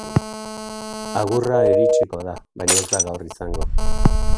Agurra iritsiko da, baina ez da gaur izango.